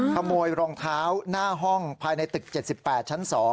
ขโมยรองเท้าหน้าห้องภายในตึก๗๘ชั้น๒